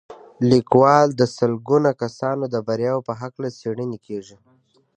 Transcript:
ليکوال د سلګونه کسانو د برياوو په هکله څېړنې کړې.